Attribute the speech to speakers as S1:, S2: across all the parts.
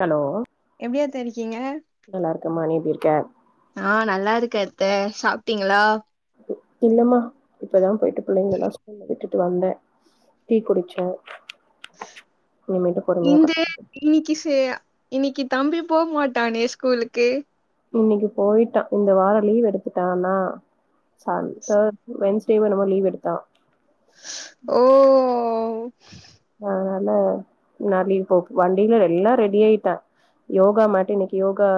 S1: Hello
S2: எப்டி அத்த இருக்கீங்க
S1: நல்லாெருக்கேம்மா நீ எப்டி இருக்க
S2: ஆ நல்லா இருக்க அத்த சாப்பிட்டீங்களா
S1: இல்லமா இப்பதா போயிட்டு பிள்ளைங்ளெல்லா ஸ்கூல்ல விட்டுட்டு வந்தே டீ குடிச்சே இனிமேட்டு பொறுமையா உக்கா
S2: இந்த இன்னிக்கி ச இன்னிக்கி தம்பி போ மாட்டானே ஸ்கூலுக்கு
S1: இன்னைக்கு போயிட்டா இந்த வார லீவ் எடுத்துட்டானா ச அ வென்ஸ்டேவ எனெனமோ லீவ் எடுத்தா
S2: ஓ
S1: அதனால நா லீவ் போட் வண்டியில எல்லா ரெடி ஆயிட்டே யோகா மேட் இன்னைக்கு யோகா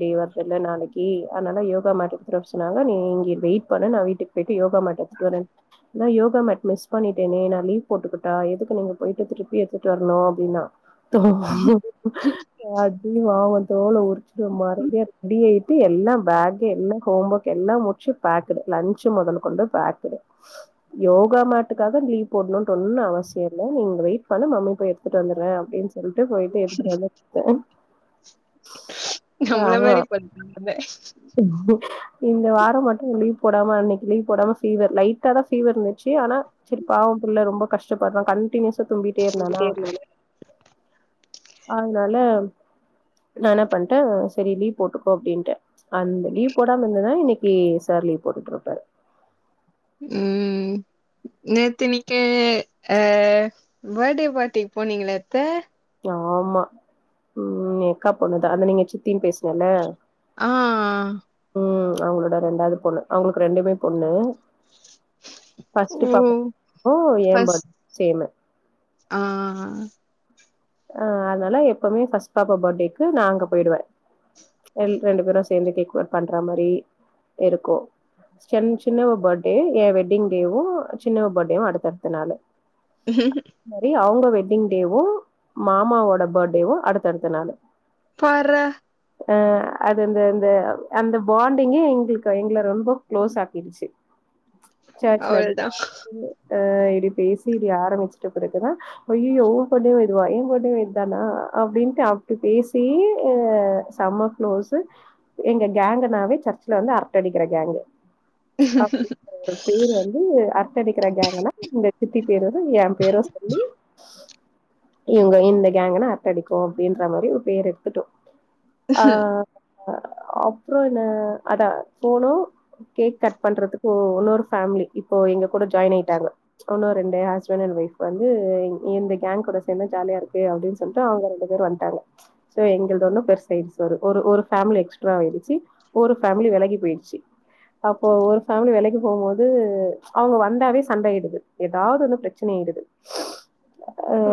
S1: டே வருதுல்ல நாளைக்கி அத்னால யோகா மேட்டெடு த்துட் வர சொன்னங்க நீ இங்கே வெயிட் பண்ணு நா வீட்டுக் போய்ட்டு யோகா மேட் எத்துட்வறேன் நா யோகா மேட் மிஸ் பண்ணிட்டேனே நா லீவ் போட்டுக்கிட்டா எதுக் க்கு நீங்க போய்ட்டு திருப்பி எத்துட்டு வரணு அப்பின்னா தோ
S2: ம்
S1: அடி வாங்க்வ தோல உரிச்சுடுவ மரேதியா ரெடியாய்ட்டு எல்லாம் பேக் எல்லா ஹோம் ஒர்க் எல்லா மு ச்சு பேக்கிடு லன்ச்சு மொதல் கொண்டு பேக்கிடு யோகா மேட்டுக்காக லீவ் போட்ணுன்டு ஒண்ணு அவசிய சியோ இல்ல நீ இங்க வெய்ட் பண்ணு மம்மி போய் எடுத்துட்டு வந்துற்றே அப்டின் சொல்ட்டு போய்ட்டு எடுத்துட்டு வந்த [unintelligible]
S2: நம்மள
S1: ஆமா
S2: மாரி போல்து [unintelligible]
S1: இந்த வார மட்டு லீவ் போடாம அன்னைக்கு லீவ் போடாம ஃபீவர் லைட்டா தா ஃபீவர் ருந்துச்சு ஆனா செரி பாவம் பிள்ள ரொம்ப கஷ்டப்பட்றா கண்டீன்யூஸா தும்பிட்டே இருந்தானா அதனால நா இன்னா பண்ட்டே செரி லீவ் போட்டுக்கோ அப்டீன்ட்டே அந்த லீவ் போடாம இந்ததா இன்னைக் லீவு சார் லீவ் போட்டுட்டுருப்பாரு
S2: ம் நேத்தினிக்கு அ பேடே பார்ட்டிக் போனீங்களாத்த
S1: ஆமா ம் எ அக்கா பொண்ணுதா அந்த நீங்க சித்தின் பேசுவல
S2: ஆ
S1: ம் அவுங்களோட ரெண்டாவ்து பொண்ணு அவுங்களுக்கு ரெண்டுமே பொண்ணு ஃபஸ்ட்டு
S2: ஓ
S1: பாப்பாக்கு எ பே
S2: ஃபஸ்ட்
S1: சேமு
S2: ஆ ஆ
S1: ஆ அதனால எப்பவுமே ஃபஸ் பாப்பா பேடேக்கு நா அங்க போயிடுவே ரெட் ரெண்டு பேரா சேந்து கேக் கட் பண்ற மாரி இருக்கு சன் சின்னவ பேட்டே எ வெட்டிங் டேவு சின்னவ பேட்டேவு அடுத்தட்த்த நாளு மாரி அவுங்க வெட்டிங் டேவு மாமாவோட பட்டேவு அடுத்தடுத்த நாளு
S2: பார்ரா
S1: அ அது அந்த அந்த அந்த பாண்டிங்கே எங்களுக்கு எங்களை ரொம்ப குளோஸ் ஆக்கிடுச்சு சர்ச் ல எப்டி
S2: அவ்ளதா
S1: பார்டி ஆ இப்டி பேசி இப்டி ஆரம்பிச்சுட்டு பிறகுதா அய்யயோ அப்டினு இதுவா போடினு இதானா அப்டின்ட்டு அப்டி பேசி செம்ம க்ளோஸு எங்க கேங்க நாவே சர்ச்ல வந்து அரட்ட அடிக்கிற கேங்கு அப்டிங்க ஒரு பேரு வந்து அர ரட்ட அடிக்கிற கேங்கலா இந்த சித்தி பேரு என் பேரு சொல்லி இவங்க இந்த கேங்கன்னா அரட்ட அடிக்கு அப்டின்ற மாரி ஒரு பேர் எடுத்துட்டோ ஆ அப்றோ என்ன அதா போனு கேக் கட் பண்றதுக்கு இன்னொரு ஃபேமிலி இப்போ எங்க கூட ஜாயின் ஆயிட்டாங்க ஒன்னு ரெண்டு ஹஸ்பண்ட் அண்ட் ஒய்ஃப் வந்து இந்த கேங்க் கூட என்ன ஜாலியா இருக்கு அப்டின் சொல்ட்டு அவங்க ரெண்டு பேரு வன்டாங்க சோ எங்கள்து ஒண்ணு பெருசாயிடுச்சு ஒரு ஒரு ஃபேமிலி எக்ஸ்ட்ரா ஆயிடுச்சு ஒரு ஃபேமிலி வெலகி போயிடுச்சு அப்போ ஒரு ஃபேமிலி வெலகி போம்போது அவங்க வந்தாவே சண்டையிடுது ஏதாது ஒன்னு பிரச்சனை ஆயிடுது அ
S2: ஓ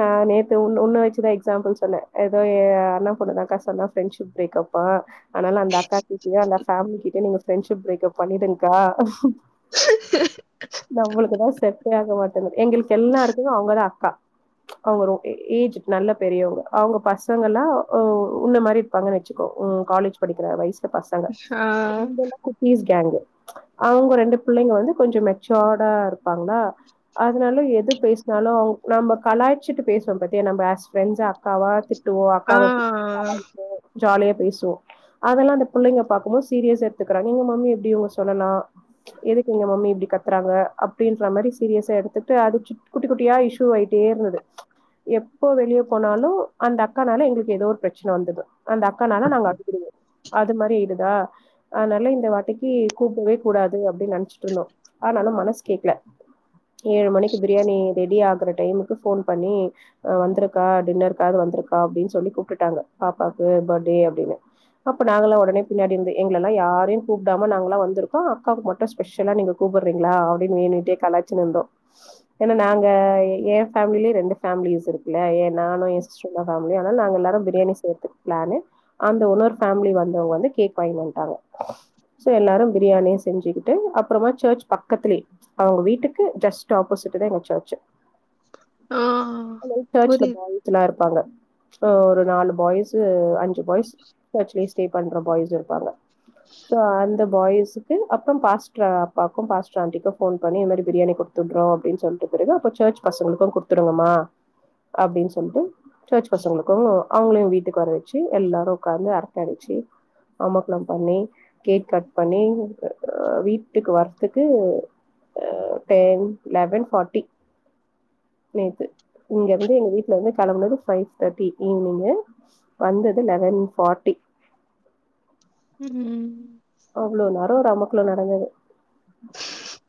S1: நா நேத்து உன்ன வச்சுதா எக்ஸாம்பிள் சொன்னே ஏதோ எ அண்ணா பொண்ணுதா க்க சொன்னா ஃப்ரெண்ட்ஷிப் பிரேக்கப் அ ஆனால அந்த அக்கா கிட்டயே அந்த ஃபேமில கிட்டயே நீங்க ப்ரெண்ட்ஷிப் பிரேகப் பண்ணிருங்க்கா நம்மளுக்குதா செட்டேயாக மாட்டேங்கது எங்களுக்கு எல்லாருக்கு அவங்கதா அக்கா அவங்க ரொம் ஏஜ் நல்ல பெரியவங்க அவங்க பசங்கல உ உன்ன மாரி இருப்பாங்கனு வச்சுக்கோ உ காலேஜ் படிக்கிற வயசுல பசங்க
S2: ஆ
S1: இங்கெல்லா குட்டிஸ் கேங்கு அவங்க ரெண்டு பிள்ளைங்க வந்து கொஞ்சம் மெச்சோர்டா இருப்பாங்ளா அதனால எது பேசினாலு அவங் நம்ப கலாய்ச்சிட்டு பேசுவோம் பாத்திய நம்ம அஸ் ஃப்ரெண்ட்ஸா அக்காவா திட்டுவோ
S2: ஆ
S1: அக்காவ கலாய்போ ஜாலியா பேசுவோ அதெல்லா அந்த புள்ளைங்க பாக்கும்போது சீரியஸா எடுத்துக்கறாங்க எங்க மம்மி எப்டி இவங்க சொல்லலா எதுக்கு எங்க மம்மி இப்டி கத்துறாங்க அப்டின்ற மாரி சீரியஸா எடுத்துட்டு அது குட்டி குட்டியா இஷீ ஆய் அப்டியே இருந்தது எப்போ வெளிய போனாலு அந்த அக்கானால எங்களுக்கு ஏதோ ஒரு பிரச்சன வந்தது அந்த அக்கானாலா நாங்க அழுகிடுவோ அது மாரி இரு தா அதனால இந்த வாட்டிக்கு கூப்டவே கூடாது அப்டின் நெனச்சிட்டு இருந்தோ ஆனாலு மனசு கேக்கல ஏழு மணிக்கு பிரியாணி ரெடி ஆகுற டைமு ஃபோன் பண்ணி ஆ வந்திருக்கா டின்னருக்காது வந்திருக்கா அப்டின் சொல்லி கூப்டுடாங்க பாப்பாக்கு பர்த்டே அப்டின்னு அப்ப நாங்கல்லா வொடனே பின்னாடி இருந்து எங்கலல்லா யாரையு கூப்டாம நாங்கலா வந்துருக்கோ அக்காக்கு மட்டு ஸ் ஸ்பெஷலா நீங்க கூப்டுறீங்களா அப்டின்னு வேணுன்டே கலாச்சிட்ருந்தோ ஏனா நாங்க ஏ ஃபேமிலி ரெண்டு ஃபேமிலிஸ் இருக்குல ஏ நானு எ சிஸ்டரின்லா ஃபேமிலியு அதனால நாங்க எல்லாரு பிரியாணி செய்றதுக் பிளானு அந்த இன்னொரு ஃபேமிலி வந்தவங்க வந்து கேக் வாங்கினு வந்த்டாங்க சோ எல்லாரு பிரியாணியு செஞ்சுக்கிட்டு அப்றமா சர்ச் பக்கத்துலயே அவங்க வீட்டுக்கு ஜஸ்ட் ஆப்போசிட் தா எங்க சர்ச்சு
S2: ஆ
S1: அதனால சர்ச்ல
S2: புரியுது
S1: பாஸ்லா இருப்பாங்க அ ஒரு நாலு பாய்ஸு அஞ்சு பாய்ஸ் ஆக்சுவலி ஸ்டே பண்ற பாய்ஸ் இருப்பாங்க சோ அந்த பாய்ஸ்க்கு அப்ற பாஸ்ட்ர் அப்பாக்கு பாஸ்ட்ரா ஆண்டிக்கு போன் பண்ணி இந்த மாரி பிரியாணி குடுத் கொடுத்துடுறோ அப்டின் சொல்லிட்டு பிறகு அப்ப சர்ச் பசங்களுக்கு குடுத்துடுங்கமா அப்டின் சொல்ட்டு சர்ச் பசங்களுக்கு அவங்களையு வீட்டுக்கு வர வச்சு எல்லாரு உட்கார்ந்து அரட்ட அடிச்சு அமர்க்களம் பண்ணி கேக் கட் பண்ணி அ வீட்டுக்கு வர்துக்கு அ டென் லெவன் ஃபாட்டி நேத்து இங்க இருந்து எங்க வீட்லருந்து கெளம்புனது ஃபைவ் தேர்ட்டி ஈவினிங்கு வந்தது லெவன் ஃபாட்டி
S2: ம்
S1: அவ்ளோ நேர ஒரு அமக்களம் நடந்தது
S2: [unintelligible]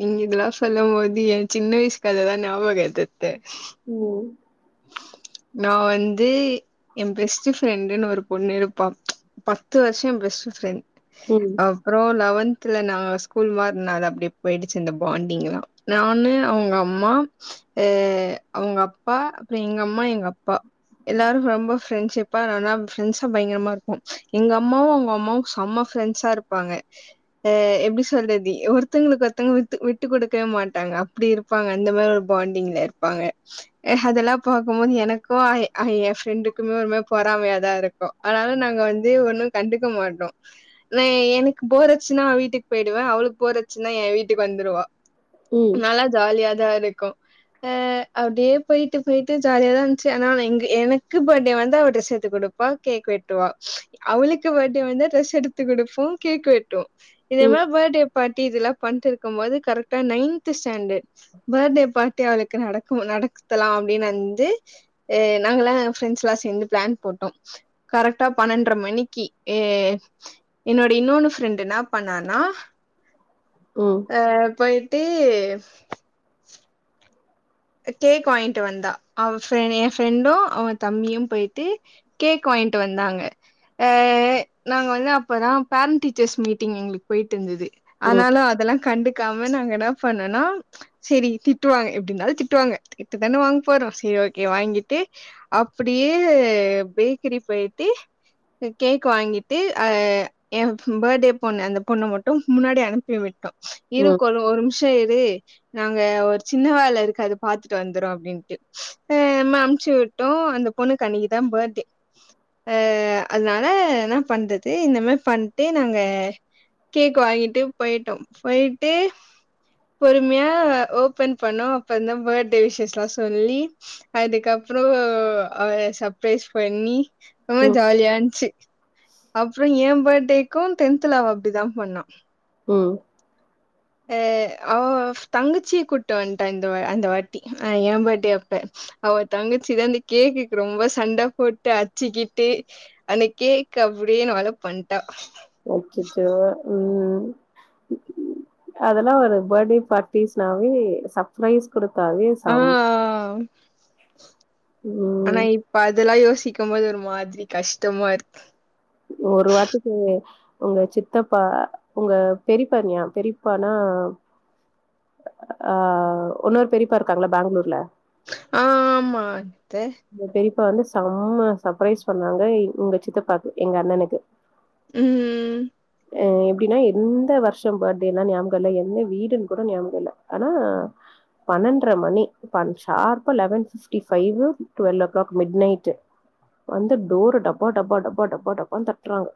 S2: நீங்க இதெல்லா சொல்லம்போது என் சின்ன வயசு கததா நியாபக வருத்து
S1: ஓ
S2: நா வந்து என் பெஸ்ட் ஃப்ரெண்டுனு ஒரு பொண்ணு இருப்பா பத்து வருஷ என் பெஸ்ட் ஃப்ரெண்ட்
S1: ம்
S2: அப்றோ லெவன்த்ல நா ஸ்கூல் மாறுன அப்டியே போயிடுச்சு இந்த பாண்டிங்லா நானு அவுங்க அம்மா அ அவுங்க அப்பா அப்ற எங்க அம்மா எங்க அப்பா எல்லாரு ரொம்ப ஃப்ரெண்ட்ஷிப்பா நல்லா ப்ரெண்ட்ஸா பயங்கரமா இருப்போ எங்க அம்மாவு அவுங்க அம்மாவு செம்ம ஃப்ரெண்ட்ஸா இருப்பாங்க அ எப்டி சொல்றதி ஒருத்தங்களுக்கு ஒருத்தங்க வித்தி விட்டு குடுக்கவே மாட்டாங்க அப்டி இருப்பாங்க அந்த மாரி ஒரு பாண்டிங்ல இருப்பாங்க அஹ் அதெல்லா பாக்கும் போது எனக்கு ஐ என் ஃப்ரெண்டுக்குமே ஒருமாறி பொறாமையாதா இருக்கு அதுனால நாங்க வந்து ஒன்னு கண்டுக்க மாட்டோ நா எனக்கு போறச்சுன்னா அவ வீட்டுக்கு போயிடுவே அவளுக்கு போறச்சுன்னா என் வீட்டுக்கு வந்துருவா
S1: ம்
S2: நல்லா ஜாலியாதா இருக்கு அ அப்டியே போயிட்டு போயிட்டு ஜாலியாதா இருந்ச்சு ஆனா எங்க எனக்கு பர்டே வந்தா அவ டிரெஸ் எடுத்து குடுப்பா கேக் வெட்டுவா அவளுக்கு பர்டே வந்தா டிரெஸ் எடுத்து குடுப்போ கேக் வெட்டுவோ இதே
S1: ம்
S2: மாரி பர்டே பாட்டி இதெல்லா பண்ட்டிருக்கும் போது கரெக்டா நைன்த் ஸ்டாண்டட் பர்டே பார்ட்டி அவளுக்கு நடக்கும் நடக்குதலாம் அப்டின்னு வந்து அ நாங்கலா ஃப்ரெண்ட்ஸ்லா சேந்து பிளான் போட்டோ கரெக்டா பனென்ட்ர மணிக்கு ஏ என்னோட இன்னொன்னு ஃப்ரெண்டு என்ன பண்ணானா
S1: ம்
S2: ஆ போய்ட்டு கேக் வாங்கிட்டு வந்தா அவ என் ஃப்ரெண்டு அவ தம்பியு போய்ட்டு கேக் வாங்கிட்டு வந்தாங்க ஆ நாங்க வந்து அப்பதா பேரண்ட் டீச்சர்ஸ் மீட்டிங் எங்களுக்கு போயிட்டு இருந்தது
S1: ம்
S2: ஆனாலு அதெல்லா கண்டுக்காம நாங்க என்ன பண்ணோனா சேரி திட்டுவாங்க எப்டினாலு திட் டுவாங்க திட்டு தானே வாங்க போறோ செரி ஓகே வாங்கிட்டு அப்புடியே பேக்கிரி போய்ட்டு கேக் வாங்கிட்டு அ என் பர்டே பொண்ணு அந்த பொண்ணு மட்டு முன்னாடி அனுப்பி விட்டோ இரு
S1: ம்
S2: கோளு ஒரு நிம்ஷோ இரு நாங்க ஒரு சின்ன வேல இருக்கு அது பாத்துட்டு வந்துறோ அப்டின்ட்டு அ நம் அமுச்சு விட்டோ அந்த பொண்ணுக்கு அன்னைக்குதா பர்டே ஆ அதுனால என்ன பண்றது இந்த மாரி பண்ட்டு நாங்க கேக் வாங்கிட்டு போயிட்டோ போய்ட்டு பொறுமையா ஓபன் பண்ணோ அப்ப இந்தோம் பர்த்டே விஷஸ்லா சொல்லி அதுக்கப்றோ ஆ சப்ரைஸ் பண்ணி ஆ
S1: ம்
S2: ஜாலியா இஞ்சு அப்றோ ஏ பர்த்டேக்கு டென்துல அவ அப்டிதா பண்ணா
S1: ம்
S2: அ அவ் தங்கச்சி கூட்டு வன்டா இந்த வா அந்த வாட் ட்டி ஆ ஏ பர்த்டே அப்ப அவ தங்கச்சிதா இந்த கேக்குக்கு ரொம்போ சண்ட போட்டு அச்சுக்கிட்டு ஆந்த கேக் அப்டிய நோல பண்ட்டா
S1: அச்சச்சோ ம் அதெல்லா ஒரு பர்த்டே பார்ட்டிஸ்னாவே சர்ப்ரைஸ் குடுத்தாவே
S2: ஆ
S1: சாம்
S2: ஆனா
S1: ம்
S2: இப்ப அதெல்லா யோசிக்கும்போது ஒரு மாதிரி கஷ்டமா இருக்கு
S1: ஒரு வாரதுக்கு உங்க சித்தப்பா உங்க பெரிப்பன்யா பெரிப்பானா ஆ ஒன்னொரு பெரிப்பா இருக்காங்கள பெங்களூர்ல
S2: ஆ ஆமா அத்த
S1: அந்த பெரிப்பா வந்து சம்ம சர்ப்ரைஸ் பண்ணாங்க உங்க சித்தப்பாக்கு எங்க அண்ணனுக்கு
S2: ம்
S1: அ எப்புடின்னா எந்த வருஷோ பர்த்டேல்லா ஞாபகோ இல்ல எந்த வீடுன்னு கூட ஞாபகோ இல்ல ஆனா பன்னெண்டர மணி பன் ஷார்ப்பா eleven fifty five twelve o'clock midnight வந்து டோரு டப்பா டப்பா டப்பா டப்பா டப்பானு தட்றாங்க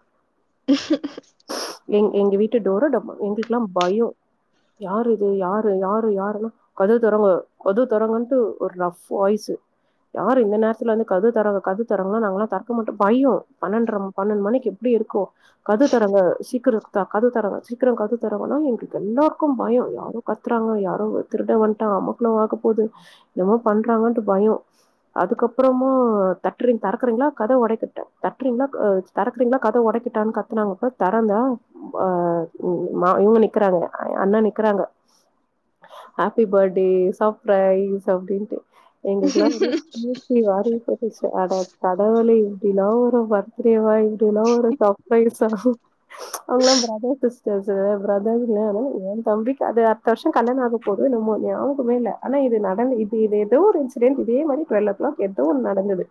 S1: எங் எங்க வீட்டு டொர டப எங்குளுக்குலா பயோ யாரு இது யாரு யாரு யாருன்னா கதவ தொரங்க கதவ தொரங்கன்ட்டு ஒரு ரஃப் வாய்ஸ்சு யாரு இந்த நேரத்துல வந்து கதவ தொறங்க கதவ தொறங்கன்னா நாங்களல்லா தொறக்க மட்டோ பயோ பன்னெர பன்னெண்டு மணிக்கு எப்டி இருக்கு கதவு தொறங்க சீக்கிரோ கதவ தொறங்க சீக்கிரோ கதவ தொறங்கன்னா எங்களுக்கு எல்லாருக்கு பயோ யாரோ கத்துறாங்க யாரோ திருட வன்ட்டா அமக்கள ஆகப் போது என்னமோ பண்றாங்கன்ட்டு பயோ அதுக்கப்பறமா தட்டுறீங் தெறக்குறீங்களா கதவ ஒடைக்கட்டா தட் றிங்களா அ தெறக்கறீங்களா கதவ ஒடைக்கட்டான்னு கத்துனாங்க பாரு தெறந்தோ ஆ இவுங்க நிக்குறானுங்க அண்ணா நிக்குறாங்க ஹாப்பி படே சப்ரைஸ் அப்டின்ட்டு எங்களுக்குல்லா து தூக்கி வாரி போட்டுருச்சு அடக்கடவுளே தினோ பர்த்டேவா இப்படில்லா ஒரு சர்பரைஸ்ஸா அவங்காலா ப்ரதர் சிஸ் சரி சரி ப்ரதர்ஸ்னு ஏ தம்பிக்கு அது அடுத்த வருஷ கல்யாண ஆக போது இன்ன ஞாபகமே இல்ல ஆனா இது நடந் இது இது ஏதோ ஒரு இன்சிடென்ட் இதே மாரி டுவல்ஓ கிளாக் ஏதோ ஒன்னு நடந்தது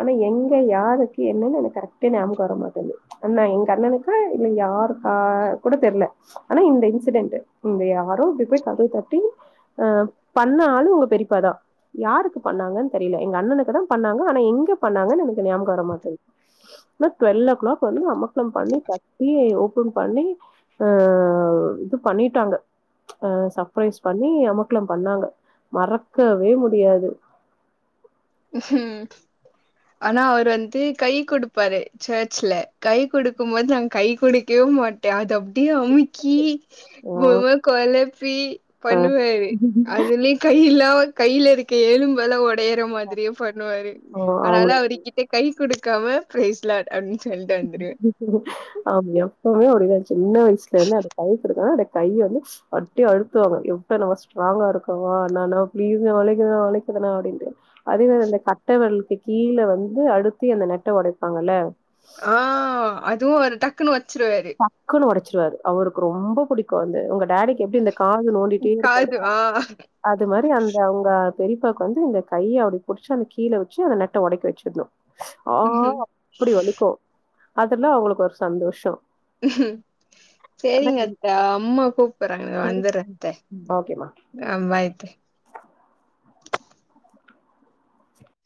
S1: ஆனா எங்க யாருக்கு என்னன்னு எனக்கு கரெக்ட்டா ஞாபக வர மாட்டேந்து அண்ணா எங்க அண்ணனுக்கா இல்ல யாருக்கா கூட தெர்ல ஆனா இந்த இன்சிடென்ட் இந்த யாரோ அப்டி போய் கதவ தட்டி அ பண்ணாலு உங்க பெரிப்பாதா யாருக்கு பண்ணாங்கன் தெரில எங்க அண்ணனுக்கு தா பண்ணாங்க ஆனா எங்க பண்ணாங்கன்னு எனக்கு ஞாபக வர மாட் டுவல் ஓ கிளாக் வந்து அமர்க்களம் பண்ணி கத்திய ஓபன் பண்ணி அ இது பண்ணிட்டாங்க அ சப்ரைஸ் பண்ணி அமர்க்களம் பண்ணாங்க மறக்கவே முடியாது
S2: உஹூம்
S1: [inaudible]
S2: ஆனா அவர் வந்துன்டு கை குடுப்பாரு சர்ச்ல கை குடுக்கு போது நாங்க கை குடுக்கய மாட் டே அது அப்டியே அமுக்கி
S1: ஆ,
S2: கோ மாரி கொலப்பி
S1: ஆ.
S2: பண்ணுவாரு அதுல கை இல்லா கையில இருக்க எலும்பல்லா ஒடையற மாதிரியே பண்ணுவாரு
S1: அ
S2: அதுனால
S1: அவங்கள
S2: அவரு கிட்ட கை குடுக்காம பிரைஸ் லார்ட் அப்டின் சொல்ட்டு வந்துருவே
S1: ஆமா எப்பவுமே அப்டிதா சின்ன வயசுல இருந்தே அது கை குடுக்குறனா அந்த கைய வந்து அட்டி அழுத்துவாங்க எப்ப நம்ம ஸ்ட்ராங்கா இருக்கவா அண்ணா அண்ணா ப்ளீஸ் ணா வலிக்குது ணா வலிக்குது ணா அப்டின்ட்டு அதே மாரி அந்த கட்டவெரலுக்கு கீழ வந்து அழுத்தி அந்த நெட்ட ஒடைப்பாங்கல்ல
S2: ஆ அதுவு அவரு டக்குன்னு ஒச்சுருவாரு
S1: டக்குனு ஒடச்சுருவாரு அவருக்கு ரொம்ப புடிக்கு வந்து ஒங்க டாடிக்கு எப்டி இந்த காது நோண்டிட்டே இருப்பாரு
S2: காது ஆ
S1: அது மாரி அந்த அவங் க பெரிப்பாக்கு வந்து இந்த கைய அப்டி புடிச்சு அந்த கீழ வச்சு அந்த நெட்ட ஒடக்க வச்சர்னு ஆ
S2: ம்ஹும்.
S1: அப்டி வலிக்கு அதுல அவங்களுக்கு ஒரு சந்தோஷோ அதா
S2: சேரிங்க அத்த அம்மா கூப்பற்றாங்க நா வந்தற்றே அத்த
S1: ஓகேமா
S2: அ பாய் அத்த
S1: [inaudible]